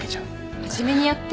真面目にやって。